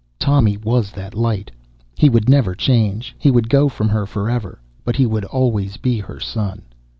Tommy was that light. He would never change. He would go from her forever. But he would always be her son.